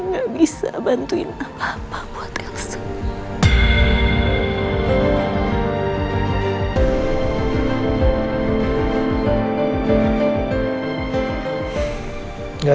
gak bisa bantuin apa apa buat langsung